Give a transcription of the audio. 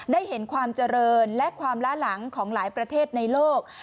ได้เห็นความเจริญและความล้าหลังของหลายประเทศในโลก